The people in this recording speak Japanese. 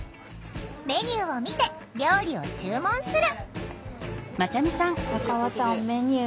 メニューを見て料理を注文する。